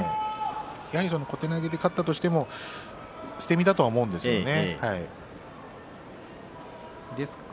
やはり小手投げで勝ったとしても捨て身だと思うんですね。